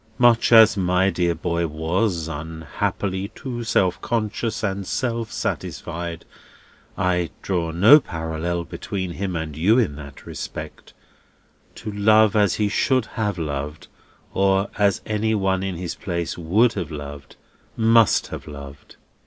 Much as my dear boy was, unhappily, too self conscious and self satisfied (I'll draw no parallel between him and you in that respect) to love as he should have loved, or as any one in his place would have loved—must have loved!"